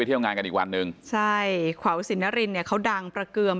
ไปเที่ยวงานกันอีกวันนึงใช่ขวาวุษิณภรรรีเขาดังประเกิม